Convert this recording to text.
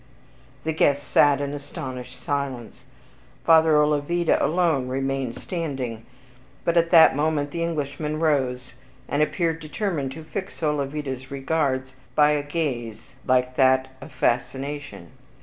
The guests sat in astonished silence. Father Olavida alone remained standing; but at that moment the Englishman rose, and appeared determined to fix Olavida's regards by a gaze like that of fascination.